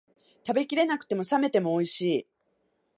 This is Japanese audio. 食べきれなくても、冷めてもおいしい